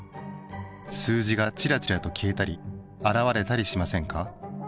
数字がちらちらと消えたり現れたりしませんか？